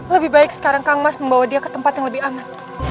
lebih baik sekarang kang mas membawa dia ke tempat yang lebih aman